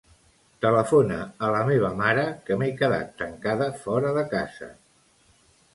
Telefona a la meva mare, que m'he quedat tancada fora de casa.